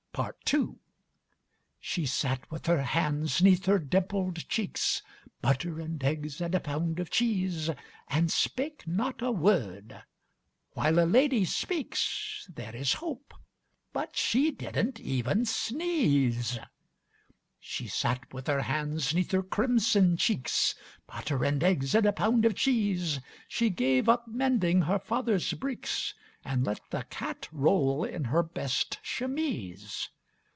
PART II She sat with her hands ŌĆÖneath her dimpled cheeks, (Butter and eggs and a pound of cheese) And spake not a word. While a lady speaks There is hope, but she did nŌĆÖt even sneeze. She sat with her hands ŌĆÖneath her crimson cheeks; (Butter and eggs and a pound of cheese) She gave up mending her fatherŌĆÖs breeks, And let the cat roll in her best chemise.